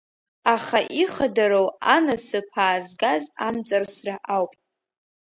Аха ихадароу анасыԥ аазгаз амҵарсра ауп.